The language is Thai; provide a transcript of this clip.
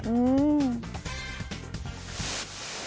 อื้ม